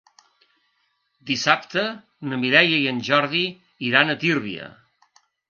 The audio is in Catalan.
Dissabte na Mireia i en Jordi iran a Tírvia.